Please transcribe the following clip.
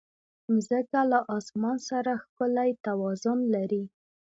مځکه له اسمان سره ښکلی توازن لري.